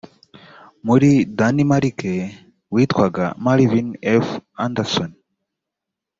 muri danimarike witwaga marvin f. anderson